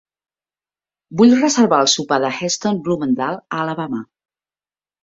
Vull reservar el sopar de Heston Blumenthal a Alabama.